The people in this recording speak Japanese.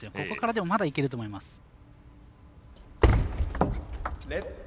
ここからでもまだいけると思います。